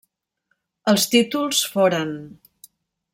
Els títols foren: